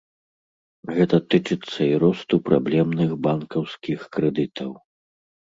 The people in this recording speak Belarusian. Гэта тычыцца і росту праблемных банкаўскіх крэдытаў.